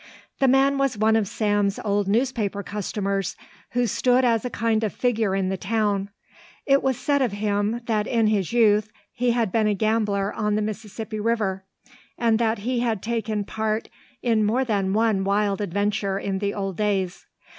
The man was one of Sam's old newspaper customers who stood as a kind of figure in the town. It was said of him that in his youth he had been a gambler on the Mississippi River and that he had taken part in more than one wild adventure in the old days.